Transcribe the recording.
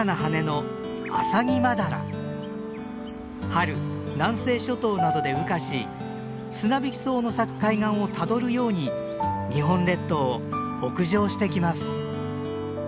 春南西諸島などで羽化しスナビキソウの咲く海岸をたどるように日本列島を北上してきます。